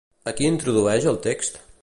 A qui introdueix el text?